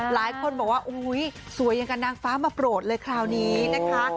หลายคนบอกว่าสวยอย่างกับนางฟ้ามาโปรดเลยคราวนี้นะคะ